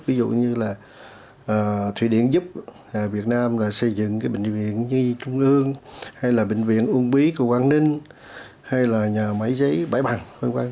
ví dụ như là thụy điển giúp việt nam là xây dựng cái bệnh viện như trung ương hay là bệnh viện uông bí của quang ninh hay là nhà máy giấy bãi bằng